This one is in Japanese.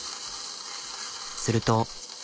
すると。